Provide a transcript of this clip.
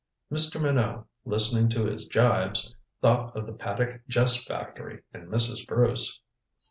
Mr. Minot, listening to his gibes, thought of the Paddock jest factory and Mrs. Bruce.